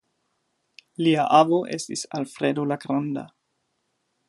Lia avo estis Alfredo la granda.